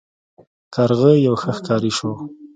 کارغه یو ښه ښکاري شو.